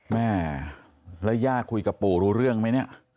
แม่แล้วย่าคุยกับปู่รู้เรื่องไหมเนี่ย